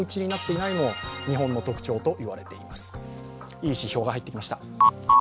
いい指標が入ってきました。